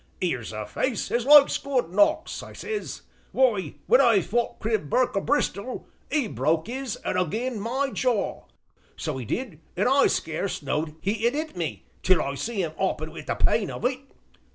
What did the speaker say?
'Ere's a face as likes good knocks,' I says, 'w'y, when I fought Crib Burke o' Bristol 'e broke 'is 'and again' my jaw, so 'e did, an' I scarce knowed 'e'd 'it me till I see 'im 'oppin' wi' the pain of it.